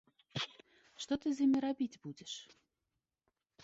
Што ты з імі рабіць будзеш?